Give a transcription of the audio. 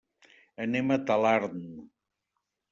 Anem a Talarn.